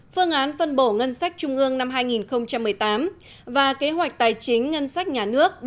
phương án phân bổ ngân sách trung ương năm hai nghìn một mươi tám và kế hoạch tài chính ngân sách nhà nước